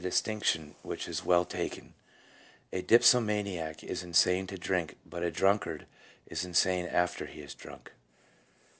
distinction which is well taken :" A dipsomaniac is insane to drink, but a drunkard is insane after he is drunk."